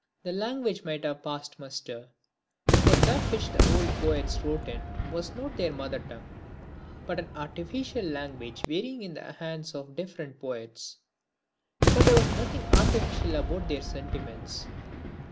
The language might have passed muster; for that which the old poets wrote in was not their mother tongue, but an artificial language varying in the hands of different poets. But there was nothing artificial about their sentiments.